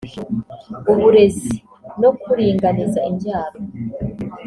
uburezi no kuringaniza imbyaro